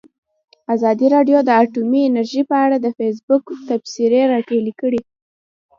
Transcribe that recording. ازادي راډیو د اټومي انرژي په اړه د فیسبوک تبصرې راټولې کړي.